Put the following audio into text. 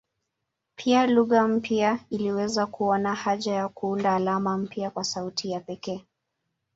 Pia lugha mpya iliweza kuona haja ya kuunda alama mpya kwa sauti ya pekee.